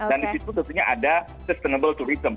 dan di situ tentunya ada sustainable tourism